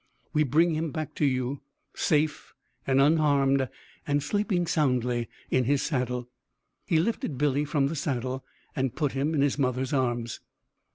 We bring him back to you, safe and unharmed, and sleeping soundly in his saddle." He lifted Billy from the saddle and put him in his mother's arms.